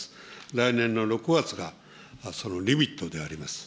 来年の６月がそのリミットであります。